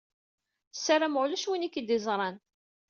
Sarameɣ ulac win i k-id-iẓṛan.